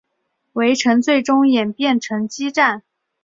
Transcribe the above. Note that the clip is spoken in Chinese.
围城最终演变成激战。